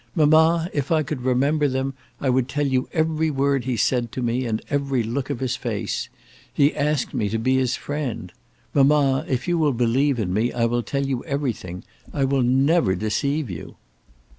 Mamma, if I could remember them I would tell you every word he said to me, and every look of his face. He asked me to be his friend. Mamma, if you will believe in me I will tell you everything. I will never deceive you."